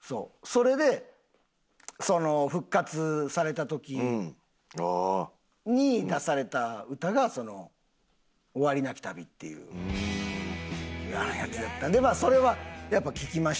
それでその復活された時に出された歌が『終わりなき旅』っていうやつやったんでそれはやっぱ聴きましたよ。